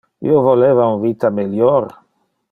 Io voleva un vita melior.